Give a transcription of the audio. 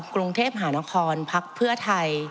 กรุงเทพหานครพักเพื่อไทย